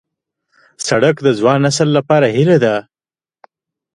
سړک د ځوان نسل لپاره هیله ده.